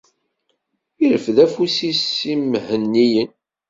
Ireffed afus-is s imhenniyen.